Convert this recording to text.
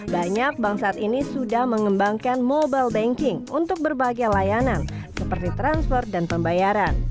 banyak bank saat ini sudah mengembangkan mobile banking untuk berbagai layanan seperti transfer dan pembayaran